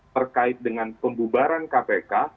berkait dengan pembubaran kpk